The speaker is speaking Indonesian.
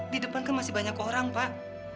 di depan kan masih banyak orang pak